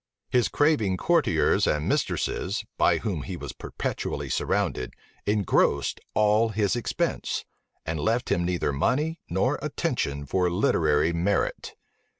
His craving courtiers and mistresses, by whom he was perpetually surrounded, engrossed all his expense, and left him neither money nor attention for literary merit.